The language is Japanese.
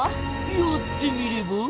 やってみれば？